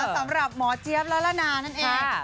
สำหรับหมอเจี๊ยบละละนานั่นเอง